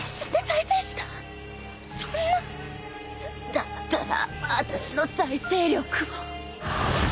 だったらあたしの再生力を